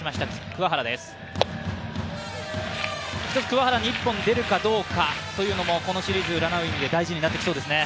桑原に１本出るかどうかも、このシリーズ占う意味で大事になってきそうですね。